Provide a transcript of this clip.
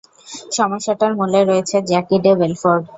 সমস্যাটার মূলে রয়েছে জ্যাকি ডে বেলফোর্ট।